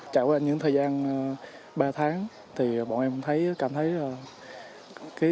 trải qua những thời gian ba tháng thì bọn em thấy cảm thấy là